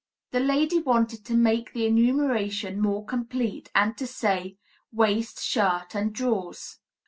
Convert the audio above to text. The lady wanted to make the enumeration more complete and to say, "Waist, shirt and drawers."